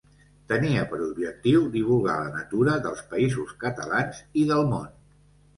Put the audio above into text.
Tenia per objectiu divulgar la natura dels Països Catalans i del món.